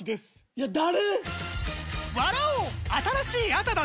いや誰‼